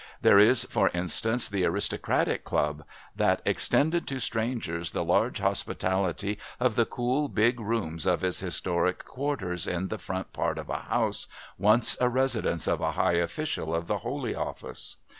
There is, for instance, the Aristocratic Club, that "extended to strangers the large hospitality of the cool, big rooms of its historic quarters in the front part of a house, once a residence of a high official of the Holy Office.